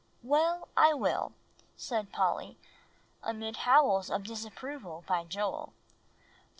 "Well, I will," said Polly, amid howls of disapproval by Joel.